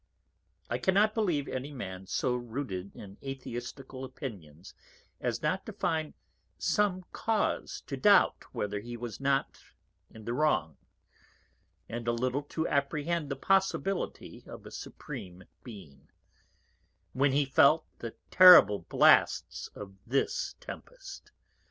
_ _I cannot believe any Man so rooted in Atheistical Opinions, as not to find some Cause to doubt whether he was not in the Wrong, and a little to apprehend the Possibility of a Supreme Being, when he felt the terrible Blasts of this Tempest.